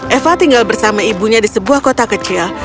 eva tinggal bersama ibunya di sebuah kota kecil